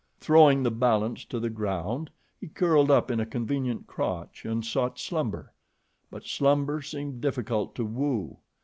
Throwing the balance to the ground he curled up in a convenient crotch and sought slumber; but slumber seemed difficult to woo.